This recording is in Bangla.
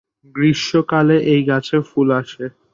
গ্রীষ্মকালে এই গাছে ফুল আসে।